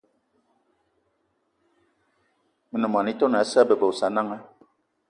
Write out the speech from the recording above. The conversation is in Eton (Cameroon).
Me ne mô-etone ya Sa'a bebe y Osananga